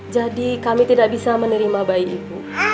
jadi kami tidak bisa menerima bayi ibu